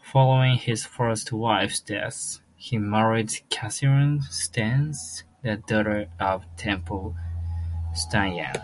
Following his first wife's death, he married Catharine Stanyan, the daughter of Temple Stanyan.